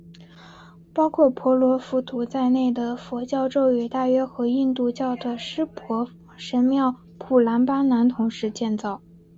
包括婆罗浮屠在内的佛教庙宇大约和印度教的湿婆神庙普兰巴南同时建造。